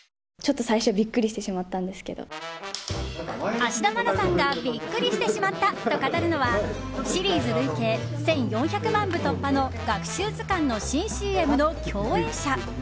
芦田愛菜さんがビックリしてしまったと語るのはシリーズ累計１４００万部突破の学習図鑑の新ＣＭの共演者。